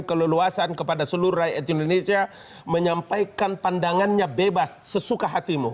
keleluasan kepada seluruh rakyat indonesia menyampaikan pandangannya bebas sesuka hatimu